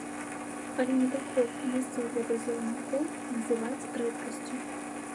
Але недахоп месцаў для прызыўнікоў называць рэдкасцю.